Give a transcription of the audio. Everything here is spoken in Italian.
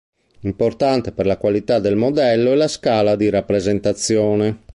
Importante per la qualità del modello è la scala di rappresentazione.